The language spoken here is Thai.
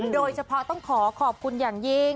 โดยเฉพาะต้องขอขอบคุณอย่างยิ่ง